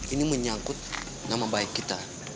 ini menyangkut nama baik kita